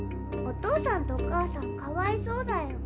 お父さんとお母さんかわいそうだよ。